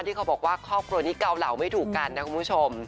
ที่เขาบอกว่าครอบครัวนี้เกาเหล่าไม่ถูกกันนะคุณผู้ชม